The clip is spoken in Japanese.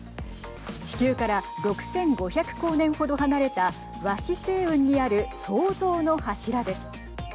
地球から６５００光年程離れたわし星雲にある創造の柱です。